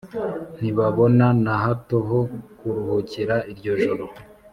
ntibabona na hato ho kuruhukira iryo joro